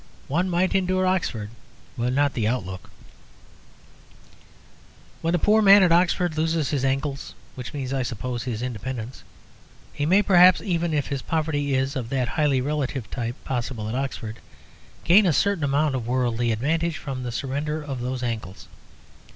One might endure Oxford, but not the Outlook. When the poor man at Oxford loses his angles (which means, I suppose, his independence), he may perhaps, even if his poverty is of that highly relative type possible at Oxford, gain a certain amount of worldly advantage from the surrender of those angles.